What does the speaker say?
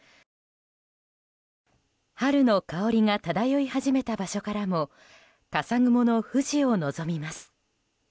春の香りが漂い始めた場所からも笠雲の富士を望みます。